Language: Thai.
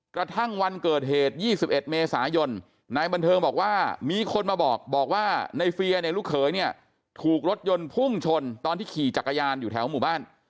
กระทั่งวันเกิดเหตุ๒๑เมษายนนายบันเทิงบอกว่ามีคนมาบอกบอกว่าในเฟียเนี่ยลูกเขยเนี่ยถูกรถยนต์พุ่งชนตอนที่ขี่จักรยานอยู่แถวหมู่บ้าน